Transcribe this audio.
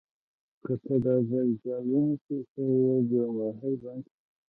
که ته دا ځل جال ونیسې شاید یو ماهي بند شي.